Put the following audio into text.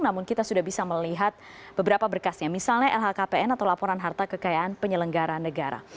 namun kita sudah bisa melihat beberapa berkasnya misalnya lhkpn atau laporan harta kekayaan penyelenggara negara